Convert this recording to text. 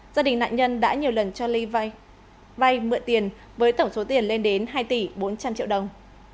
gia đình nạn nhân đã nhiều lần cho ly vay mượn tiền với tổng số tiền lên đến hai tỷ bốn trăm linh triệu đồng